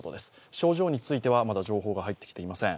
症状についてはまだ情報が入ってきていません。